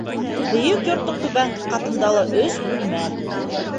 Бейек йорттоң түбәнге ҡатында ла өс бүлмә.